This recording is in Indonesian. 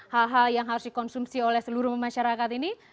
hh yang harus dikonsumsi oleh seluruh masyarakat ini